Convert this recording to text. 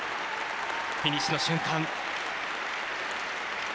フィニッシュの瞬間。